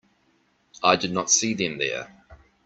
I did not see them there.